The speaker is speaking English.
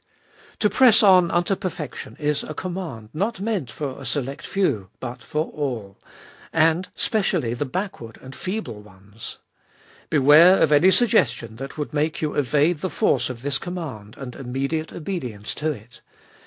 2. To press on unto perfection is a command not meant for a select few, but for all, and specially the backward and feeble ones. Beware of any suggestion that would make you evade the force of this command and immediate obedience to it.